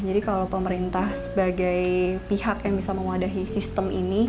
jadi kalau pemerintah sebagai pihak yang bisa menguadahi sistem ini